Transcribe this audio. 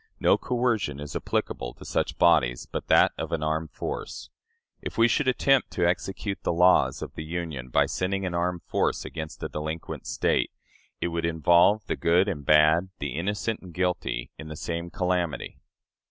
No coercion is applicable to such bodies but that of an armed force. If we should attempt to execute the laws of the Union by sending an armed force against a delinquent State, it would involve the good and bad, the innocent and guilty, in the same calamity."